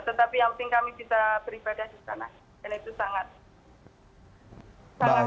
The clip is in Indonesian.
tetapi yang penting kami bisa beribadah di sana